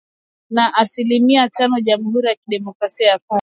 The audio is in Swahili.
na asilimia tano Jamhuri ya Kidemokrasia ya Kongo